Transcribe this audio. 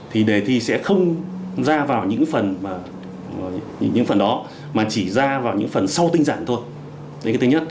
thì đề thi sẽ không ra vào những phần những phần đó mà chỉ ra vào những phần sau tinh giản thôi